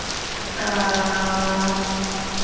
Aku sedang berusaha untuk berhenti merokok.